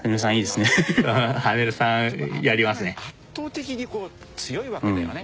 圧倒的に強いわけだよね。